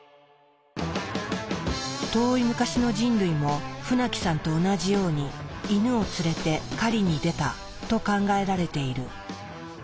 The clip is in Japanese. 遠い昔の人類も船木さんと同じようにイヌを連れて狩りに出たと考えられている。